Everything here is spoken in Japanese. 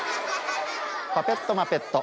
パペットマペット。